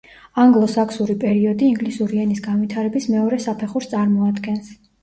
ანგლო-საქსური პერიოდი ინგლისური ენის განვითარების მეორე საფეხურს წარმოადგენს.